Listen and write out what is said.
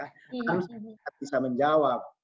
harusnya bisa menjawab